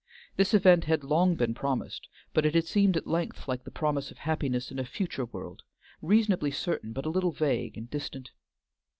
This event had long been promised, but had seemed at length like the promise of happiness in a future world, reasonably certain, but a little vague and distant.